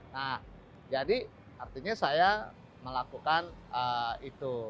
nah jadi artinya saya melakukan itu